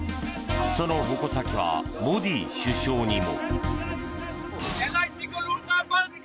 その矛先はモディ首相にも。